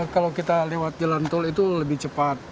kalau kita lewat jalan tol itu lebih cepat